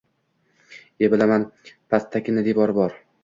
– E, bilaman, pastakkina devori bor